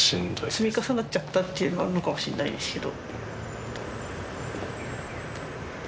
積み重なっちゃったっていうのはあるのかもしれないですけど。